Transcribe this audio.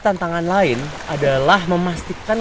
tantangan lain adalah memastikan